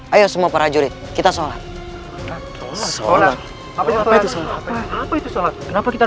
ayo semua para jurid kita sholat